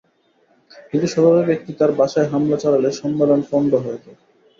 কিন্তু শতাধিক ব্যক্তি তাঁর বাসায় হামলা চালালে সম্মেলন পণ্ড হয়ে যায়।